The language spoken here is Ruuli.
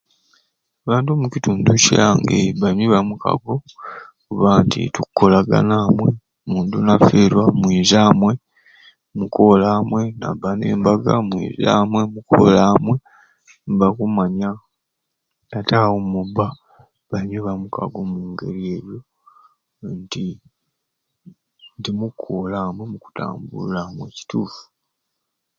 Abantu omukitundu kyange banywi bamukago kuba nti tukolagana amwei, omuntu nafirwa mwiza amwei nimuba amwei nimukora amwei naba nembaga mwiza amwei nimukora amwei nibakumanya ati awo mubba banywi bamukago omungeri eyo nti nti mukora amwei mukutambura amwei kituffu.